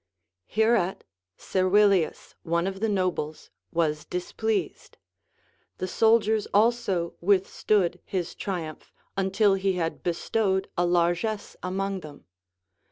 Hereat Servilius, one of the nobles, was displeased ; the soldiers also Λvithstood his triumph, until he had bestowed a largess among them.